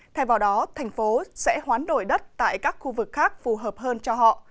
thay vào đó thành phố sẽ hoán đổi đất tại các khu vực khác phù hợp hơn cho họ